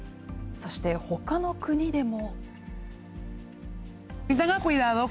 そしてほかの国でも。